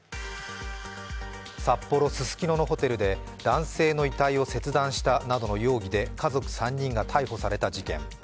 札幌・ススキノのホテルで男性の遺体を切断したなどの容疑で家族３人が逮捕された事件。